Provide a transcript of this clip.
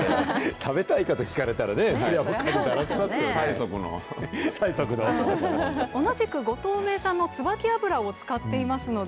食べたいかと聞かれたらね、そりゃ鐘鳴らしますよね。